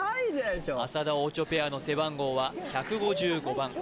浅田・オチョペアの背番号は１５５番